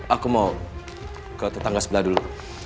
aku mau ke tetangga sebelah dulu